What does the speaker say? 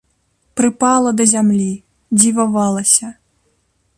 Прыпала да зямлі, дзівавалася.